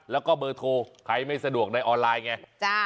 แล้วก็เบอร์โทรใครไม่สะดวกในออนไลน์ไง